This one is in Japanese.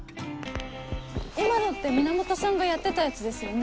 今のって源さんがやってたやつですよね。